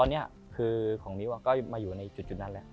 ตอนนี้คือของนิ้วก็มาอยู่ในจุดนั้นแหละ